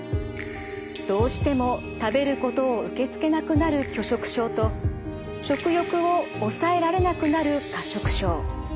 どうしても食べることを受け付けなくなる拒食症と食欲を抑えられなくなる過食症。